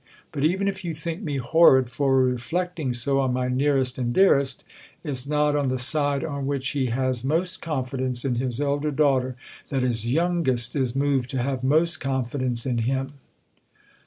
But even if you think me horrid for reflecting so on my nearest and dearest, it's not on the side on which he has most confidence in his elder daughter that his youngest is moved to have most confidence in him."